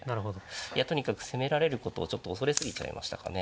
いやとにかく攻められることをちょっと恐れ過ぎちゃいましたかね。